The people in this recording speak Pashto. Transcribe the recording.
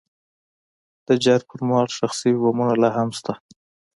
د جنګ پر مهال ښخ شوي بمونه لا هم شته.